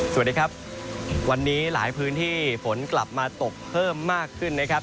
สวัสดีครับวันนี้หลายพื้นที่ฝนกลับมาตกเพิ่มมากขึ้นนะครับ